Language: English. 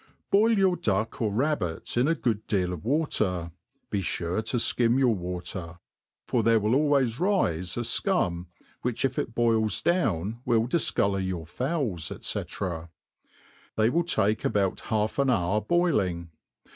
BOIL ycnir duck, or rabbit, in a good deal of watery ^ fure to fkim your water ; for there will always rife a fcum» which, if it boils down, will difcolour your fowls, &c. They Will take about half an hour boiling.